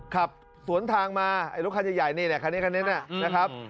ขับสวนทางมาไอ้รถคันใหญ่นี่คันนี้คันนี้นะครับ